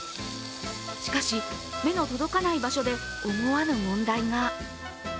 しかし、目の届かない場所で思わぬ問題が。